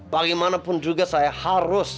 bagaimanapun juga saya harus